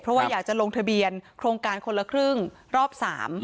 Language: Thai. เพราะว่าอยากจะลงทะเบียนโครงการคนละครึ่งรอบ๓